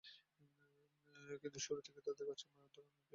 কিন্তু শুরু থেকেই তাদের কাজকর্মে একধরনের ঢিলেঢালা ভাব লক্ষ করা যাচ্ছে।